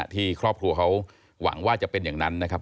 ที่ครอบครัวเขาหวังว่าจะเป็นอย่างนั้นนะครับ